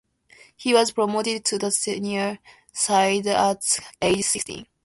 He was promoted to the senior side at age sixteen.